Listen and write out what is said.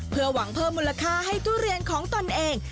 เพื่อหวังเพิ่มมูลค่าให้ทุเรียนของตนเอง